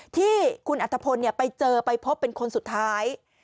ที่คุณอัธพลไปเจอไปพบเป็นคนสุดท้าย